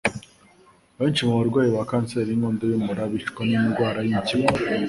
Abenshi mu barwayi ba kanseri y'inkondo y'umura bicwa n'indwara y'impyiko